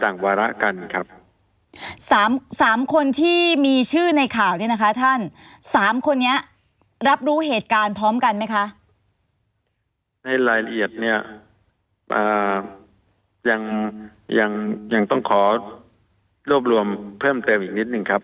ในรายละเอียดเนี่ยยังต้องขอรวบรวมเพิ่มเติมอีกนิดหนึ่งครับ